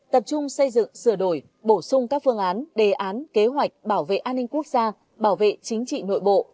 tập trung xây dựng sửa đổi bổ sung các phương án đề án kế hoạch bảo vệ an ninh quốc gia bảo vệ chính trị nội bộ